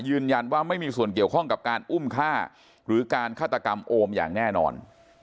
ยืนยันว่าไม่มีส่วนเกี่ยวข้องกับการอุ้มฆ่าหรือการฆาตกรรมโอมอย่างแน่นอน